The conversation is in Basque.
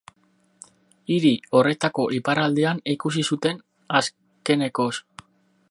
Hiri horretako iparraldean ikusi zuten azkenekoz.